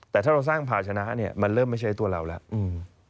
แต่ถ้าเราสร้างภาชนะเนี่ยมันเริ่มไม่ใช้ตัวเราแล้วอืม